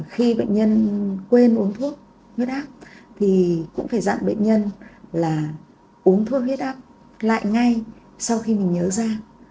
khi bệnh nhân quên uống thuốc huyết áp thì cũng phải dặn bệnh nhân là uống thuốc huyết áp lại ngay sau khi mình nhớ ra